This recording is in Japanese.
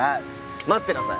待ってなさい。